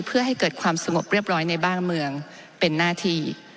เพื่อให้เกิดความสงบเรียบร้อยในบ้านเมืองเป็นหน้าที่